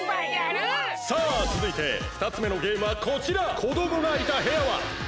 さあつづいてふたつめのゲームはこちら。